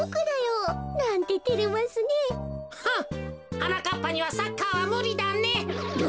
はなかっぱにはサッカーはむりだね。